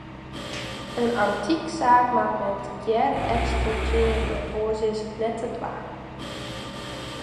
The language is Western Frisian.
In antyksaak moat men tegearre eksploitearje, oars is it net te dwaan.